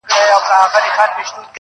دا به نو حتمي وي کرامت د نوي کال,